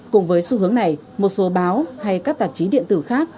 cùng với xu hướng này một số báo hay các tạp chí điện tử khác